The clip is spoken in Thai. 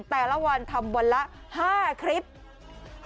แต่ละวันทำวันละ๕คลิป